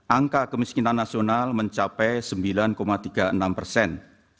angka kemiskinan nasional mencapai sembilan tiga puluh enam persen